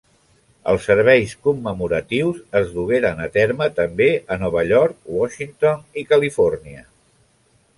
Els serveis commemoratius es dugueren a terme també a Nova York, Washington i Califòrnia.